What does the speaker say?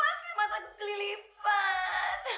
masih mata kekelipan